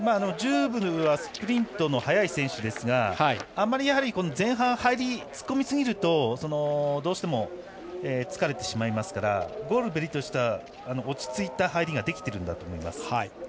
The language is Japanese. ジューブはスプリントの速い選手ですがあまり前半入り突っ込みすぎるとどうしても疲れてしまいますからゴールベリとしては落ち着いた入りができているんだと思います。